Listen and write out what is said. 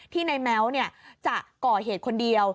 ในแม้วจะก่อเหตุคนเดียว